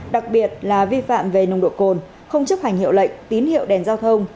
đặc biệt là vi phạm về nồng độ cồn không chấp hành hiệu lệnh tín hiệu đèn giao thông